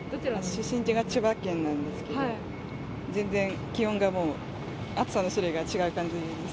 出身は千葉県なんですけれども、全然、気温がもう、暑さの種類が違う感じです。